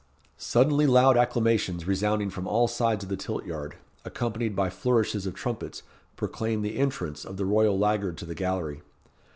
Suddenly loud acclamations resounding from all sides of the tilt yard, accompanied by flourishes of trumpets, proclaimed the entrance of the royal laggard to the gallery.